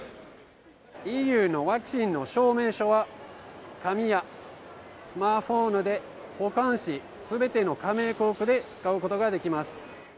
ＥＵのワクチンの証明書は、紙やスマートフォンなどで保管し、すべての加盟国で使うことができます。